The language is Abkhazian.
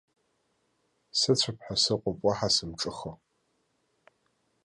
Сыцәап ҳәа сыҟоуп уаҳа сымҿыхо.